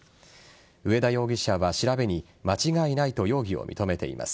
上田容疑者は調べに間違いないと容疑を認めています。